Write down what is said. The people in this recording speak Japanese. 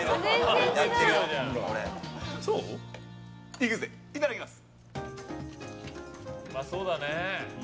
いくぜ、いただきます。